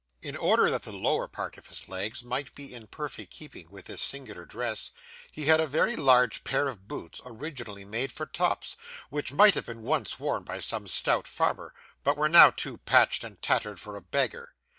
In order that the lower part of his legs might be in perfect keeping with this singular dress, he had a very large pair of boots, originally made for tops, which might have been once worn by some stout farmer, but were now too patched and tattered for a beggar.